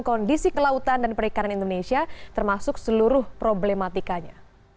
kondisi kelautan dan perikanan indonesia termasuk seluruh problematikanya